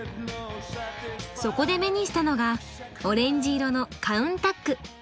そこで目にしたのがオレンジ色のカウンタック。